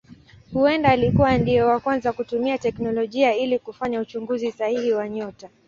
Huenda alikuwa ndiye wa kwanza kutumia teknolojia ili kufanya uchunguzi sahihi wa nyota.